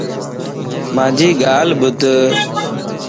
مانجي ڳالھه ٻڌ